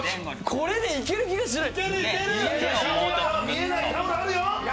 これでいける気がしない。